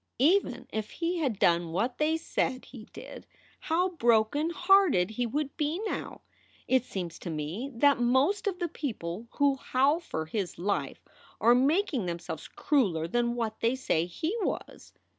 "Even if he had done what they said he did, how broken hearted he would be now! It seems to me that most of the people who howl for his life are making themselves crueler than what they say he was.